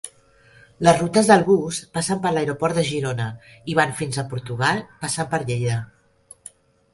Les rutes del bus passen per l'aeroport de Girona i van fins a Portugal passant per Lleida.